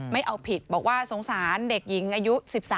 ไม่เอาผิดบอกว่าสงสารเด็กหญิงอายุ๑๓